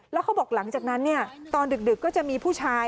แล้วเขาบอกหลังจากนั้นตอนดึกก็จะมีผู้ชาย